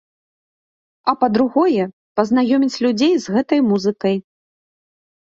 А па-другое, пазнаёміць людзей з гэтай музыкай.